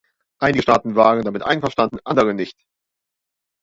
Einige Staaten waren damit einverstanden, andere nicht.